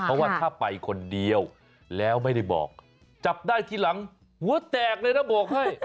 เพราะว่าถ้าไปคนเดียวแล้วไม่ได้บอกจับได้ทีหลังหัวแตกเลยนะบอกให้